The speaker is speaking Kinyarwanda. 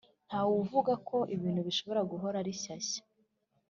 ntawavuga ko ibintu bishobora guhora ari shyashya.